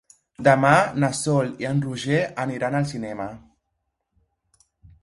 Demà na Sol i en Roger aniran al cinema.